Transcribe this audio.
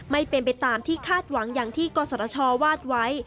ไม่เป็นไปตามที่คาดหวังอย่างที่กศชวาดไว้